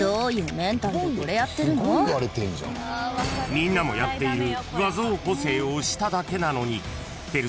［みんなもやっている］